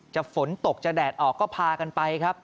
ฝนตกจะแดดออกก็พากันไปครับ